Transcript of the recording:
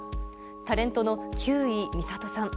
タレントの休井美郷さん。